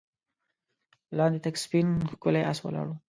لاندې تک سپين ښکلی آس ولاړ و.